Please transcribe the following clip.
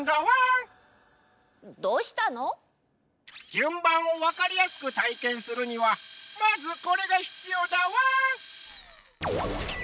じゅんばんをわかりやすくたいけんするにはまずこれがひつようだワン！